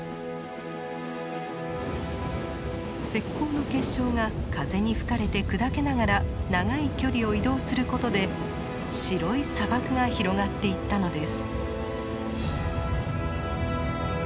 石こうの結晶が風に吹かれて砕けながら長い距離を移動することで白い砂漠が広がっていったのです。